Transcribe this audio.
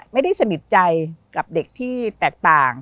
ไม่ได้สนิทใจกับเด็กที่แตกต่าง